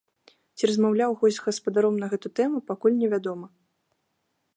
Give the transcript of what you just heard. Ці размаўляў госць з гаспадаром на гэту тэму, пакуль не вядома.